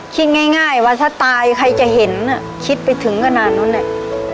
คิดง่ายว่าถ้าตายใครจะเห็นคิดไปถึงขนาดนู้นแหละ